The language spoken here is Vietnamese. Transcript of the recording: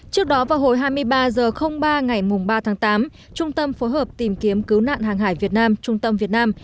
trước đó vào hồi hai mươi ba h ba ngày ba tháng tám trung tâm phối hợp tìm kiếm cứu nạn hàng hải việt nam trung tâm việt nam